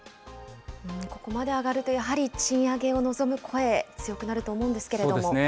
ここまで上がるとやはり賃上げを望む声、強くなると思うんでそうですね。